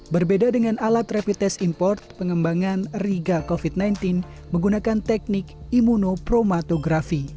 berbeda dengan alat rapid test import pengembangan riga covid sembilan belas menggunakan teknik imunopromatografi